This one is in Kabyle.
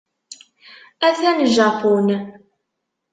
Atan Japun.